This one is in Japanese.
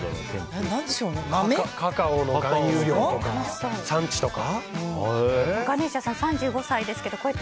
カカオの含有量とか産地とか？